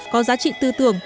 có giá trị tư tưởng